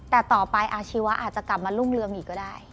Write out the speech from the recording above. แต่ต่อไปอาชีวะอาจจะกลับมารุ่งเรืองอีกก็ได้